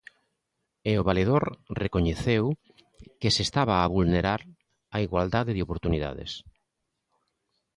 E o Valedor recoñeceu que se estaba a vulnerar a igualdade de oportunidades.